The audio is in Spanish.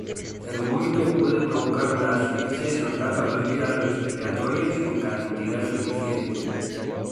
El vómito puede provocar la asfixia si alcanza las vías respiratorias en cantidad suficiente.